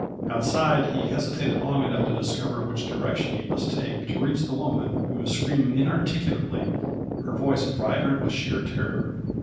Outside, he hesitated long enough to discover which direction he must take to reach the woman who was screaming inarticulately, her voice vibrant with sheer terror.